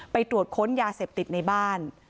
ไปตรวจค้นยาเสพติดในบ้าน